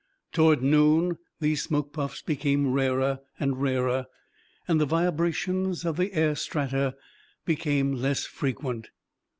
Toward noon these smoke puffs became rarer and rarer, and the vibrations of the air strata became less frequent.